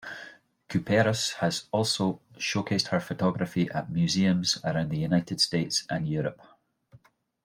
Kuperus has also showcased her photography at museums around the United States and Europe.